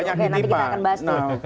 oke nanti kita akan bahas dulu